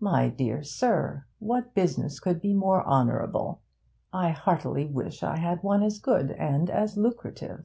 'My dear sir! What business could be more honourable? I heartily wish I had one as good and as lucrative.'